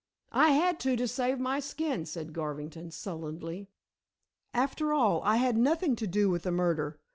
"I had to save my own skin," said Garvington sullenly. "After all, I had nothing to do with the murder.